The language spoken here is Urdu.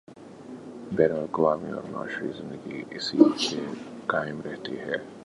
بین الاقوامی اورمعاشرتی زندگی اسی سے قائم رہتی ہے۔